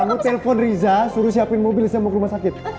kamu telpon riza suruh siapin mobil saya mau ke rumah sakit